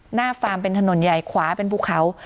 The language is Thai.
หน้าฟาร์มเป็นถนนใหญ่ขวาเป็นบุคเขา